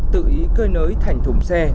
tự ý cơi nới thành thùng xe